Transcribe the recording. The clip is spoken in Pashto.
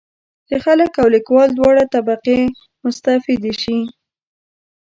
چې خلک او لیکوال دواړه طبقې مستفیدې شي.